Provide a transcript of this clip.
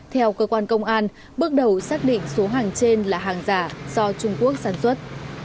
theo cơ quan công an bước đầu xác định số hàng trên là hàng giả do trung quốc sản xuất